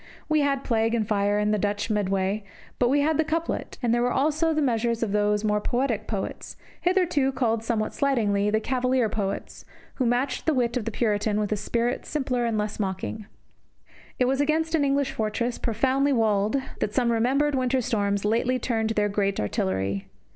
We had plague, fire, and the Dutch in the Medway, but we had the couplet; and there were also the measures of those more poetic poets, hitherto called somewhat slightingly the Cavalier poets, who matched the wit of the Puritan with a spirit simpler and less mocking. It was against an English fortress, profoundly walled, that some remembered winter storms lately turned their great artillery.